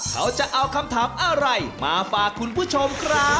เขาจะเอาคำถามอะไรมาฝากคุณผู้ชมครับ